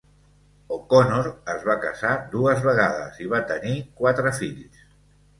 O'Connor es va casar dues vegades i va tenir quatre fills.